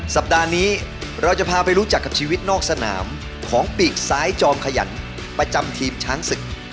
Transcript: สัปดาห์นี้เราจะพาไปรู้จักกับชีวิตนอกสนามของปีกซ้ายจอมขยันประจำทีมช้างศึก